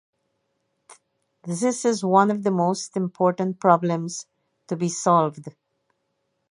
This is one of the most important problems to be solved.